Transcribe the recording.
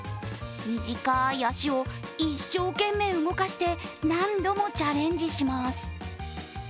短い足を一生懸命動かして、何度もチャレンジします。